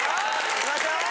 いきましょう！